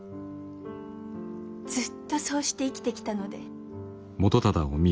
ずっとそうして生きてきたので。